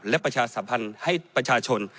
และประชาสัมพันธ์ให้ประชาชน